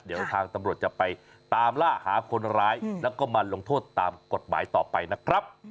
เดี๋ยวทางตำรวจจะไปตามล่าหาคนร้ายแล้วก็มาลงโทษตามกฎหมายต่อไปนะครับ